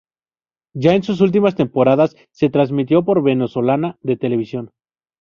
Ya en sus últimas temporadas se transmitió por Venezolana de Televisión.